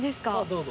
どうぞ。